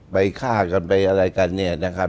ไปฆ่ากันไปอะไรกันเนี่ยนะครับ